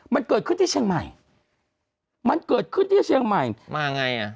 มันเกิดขึ้นที่เชียงใหม่มันเกิดขึ้นที่เชียงใหม่มาไงอ่ะ